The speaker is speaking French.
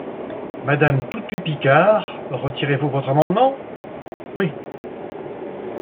Madame Toutut-Picard, retirez-vous votre amendement ? Oui.